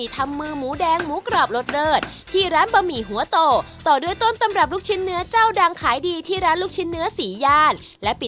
ขอบคุณครับขอบคุณครับขอบคุณครับ